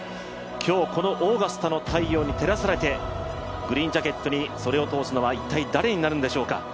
今日このオーガスタの太陽に照らされてグリーンジャケットに袖を通すのは一体誰になるんでしょうか。